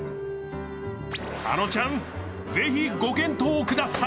あのちゃん、ぜひご検討ください。